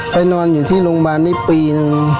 นอนอยู่ที่โรงพยาบาลได้ปีนึง